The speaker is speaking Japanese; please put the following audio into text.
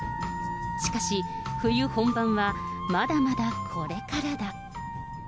しかし、冬本番はまだまだこれからだ。